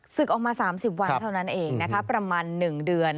ออกมา๓๐วันเท่านั้นเองนะคะประมาณ๑เดือน